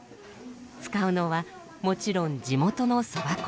使うのはもちろん地元のそば粉。